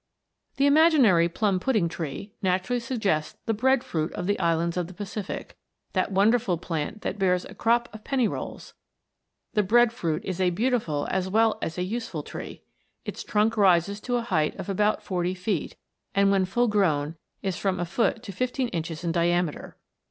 The imaginary plum pudding tree naturally sug gests the bread fruit of the islands of the Pacific, that wonderful plant that bears a crop of penny rolls. The bread fruit is a beautiful as well as a useful tree. Its trunk rises to a height of about forty feet, and when full grown is from a foot to fifteen inches in diameter.